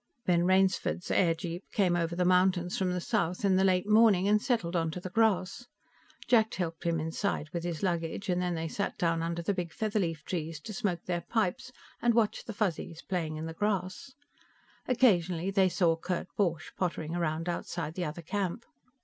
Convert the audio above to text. Ben Rainsford's airjeep came over the mountains from the south in the late morning and settled onto the grass. Jack helped him inside with his luggage, and then they sat down under the big featherleaf trees to smoke their pipes and watch the Fuzzies playing in the grass. Occasionally they saw Kurt Borch pottering around outside the other camp.